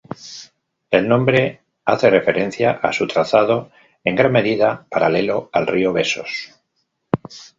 El nombre hace referencia a su trazado, en gran medida paralelo al río Besós.